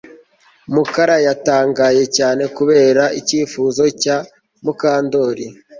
Mukara yatangaye cyane kubera icyifuzo cya Mukandoli